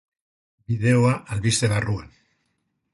Bideoa, albiste barruan.